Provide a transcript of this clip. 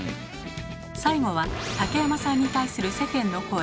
最後は竹山さんに対する世間の声「怒り編」。